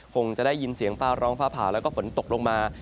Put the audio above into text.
คงจะได้ยินเสียงฟ้าร้องฟ้าผ่าแล้วก็ฝนตกลงมา